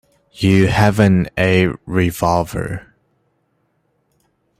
You haven't a revolver?